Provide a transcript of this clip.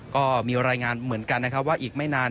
ก็มีรายงานเหมือนกันนะครับว่าอีกไม่นาน